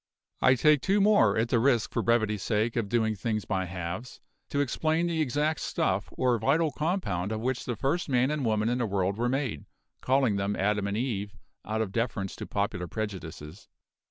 I take two more (at the risk, for brevity's sake, of doing things by halves) to explain the exact stuff, or vital compound, of which the first man and woman in the world were made calling them Adam and Eve, out of deference to popular prejudices.